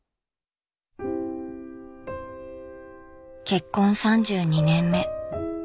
結婚３２年目。